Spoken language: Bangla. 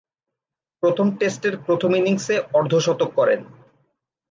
প্রথম টেস্টের প্রথম ইনিংসে অর্ধ-শতক করেন।